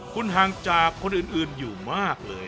คุณห่างจากคนอื่นอยู่มากเลย